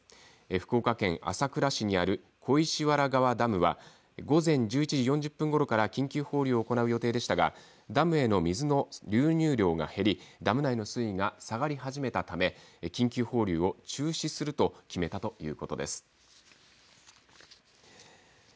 福岡県朝倉市にある小石原川ダムは午前１１時４０分ごろから緊急放流を行う予定でしたがダムへの水の流入量が減りダム内の水位が下がり始めたため、緊急放流を中止すると決めたということです。